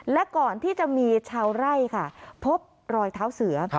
และก่อนที่จะมีชาวไร่ค่ะพบรอยเท้าเสือ